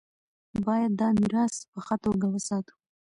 باید دا میراث په ښه توګه وساتو.